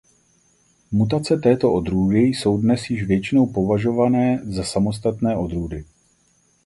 Mutace této odrůdy jsou dnes již většinou považované za samostatné odrůdy.